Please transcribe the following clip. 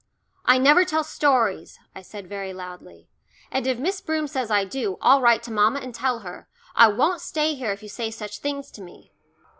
"I never tell stories," I said very loudly; "and if Miss Broom says I do, I'll write to mamma and tell her. I won't stay here if you say such things to me."